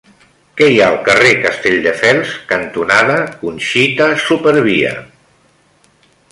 Què hi ha al carrer Castelldefels cantonada Conxita Supervia?